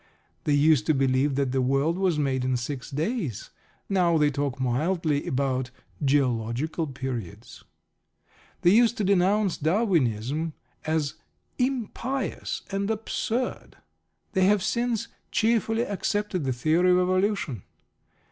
They used to believe that the world was made in six days. Now they talk mildly about "geological periods." They used to denounce Darwinism as impious and absurd. They have since "cheerfully accepted" the theory of evolution.